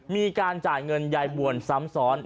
มีการจ่ายเงินยายบวนซ้ำซ้อน